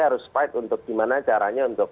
harus fight untuk gimana caranya untuk